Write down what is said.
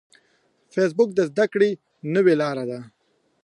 فېسبوک د زده کړې نوې لاره ده